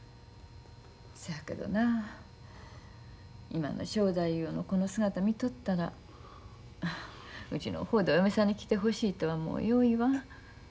せやけどな今の正太夫のこの姿見とったらうちの方でお嫁さんに来てほしいとはもうよう言わん。